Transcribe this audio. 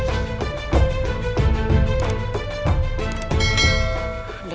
aku sangat jauh dari istana